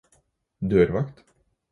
dørvakt